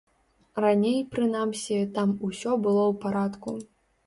Раней, прынамсі, там усё было ў парадку.